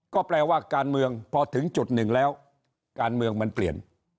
ก็แปลว่าการเมืองพอถึงจุดหนึ่งแล้วการเมืองมันเปลี่ยน